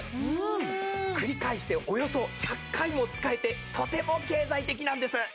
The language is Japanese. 繰り返しておよそ１００回も使えてとても経済的なんです！